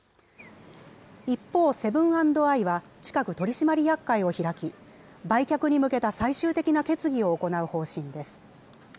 一方、セブン＆アイは、近く、取締役会を開き、売却に向けた最終的な決議を行う方針です。